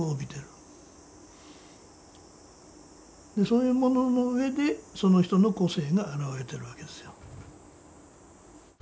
そういうものの上でその人の個性が現れてるわけですよ。